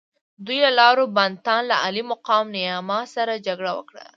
دوی له لاور بانتا له عالي مقام نیاما سره جګړه وکړه.